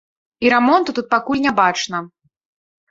І рамонту тут пакуль не бачна.